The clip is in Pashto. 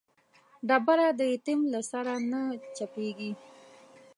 ډبره د يتيم له سره نه چپېږي.